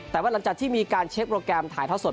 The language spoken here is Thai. แต่ว่าหลังจากที่มีการเช็คโปรแกรมถ่ายท่อสด